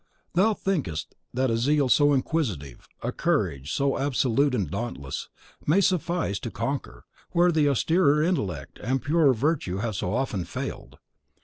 Thou thinkest that a zeal so inquisitive, a courage so absolute and dauntless, may suffice to conquer, where austerer intellect and purer virtue have so often failed.